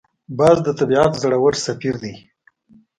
باز د طبیعت زړور سفیر دی